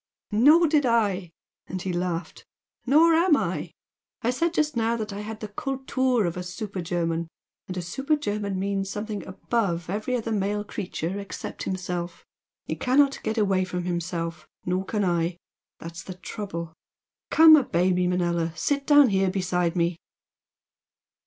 "Nor did I!" and he laughed "Nor am I. I said just now that I had the 'Kultur' of a super German and a super German means something above every other male creature except himself. He cannot get away from himself nor can I! That's the trouble! Come, obey me, Manella! Sit down here beside me!"